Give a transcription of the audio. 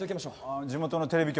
あの地元のテレビ局の？